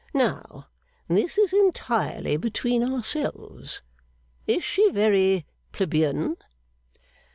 Now (this is entirely between ourselves), is she very plebeian?